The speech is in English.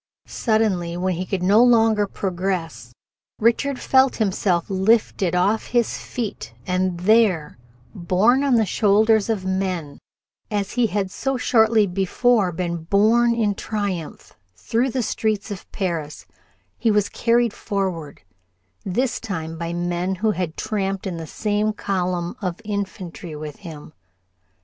Suddenly, when he could no longer progress, Richard felt himself lifted off his feet, and there, borne on the shoulders of the men, as he had so shortly before been borne in triumph through the streets of Paris, he was carried forward, this time by men who had tramped in the same column of infantry with him.